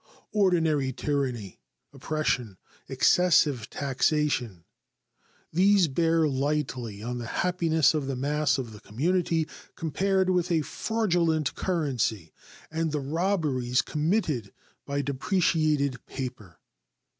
Ordinary tyranny, oppression, excessive taxation these bear lightly on the happiness of the mass of the community compared with a fraudulent currency and the robberies committed by depreciated paper.